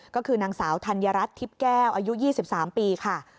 ก็คือนางสาวธัญรัฐทิพย์แก้วอายุ๒๓ปีค่ะ